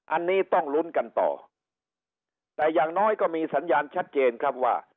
อันนี้ต้องลุ้นกันต่อแต่อย่างน้อยก็มีสัญญาณชัดเจนครับว่า